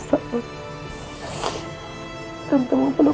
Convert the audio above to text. kamu akan baik baik aja